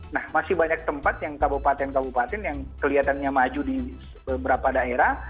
nah masih banyak tempat yang kabupaten kabupaten yang kelihatannya maju di beberapa daerah